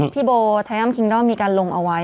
พี่โบไทอัมคิงดอลมีการลงเอาไว้